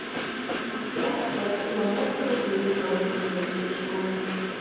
Хрысціянства адчула моцны ўплыў яго александрыйскай школы.